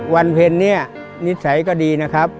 วันเพลินนิสัยก็ดีนะครับ